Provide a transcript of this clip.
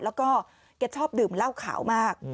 แล้วก็แกชอบดื่มเหล้าขาวมาก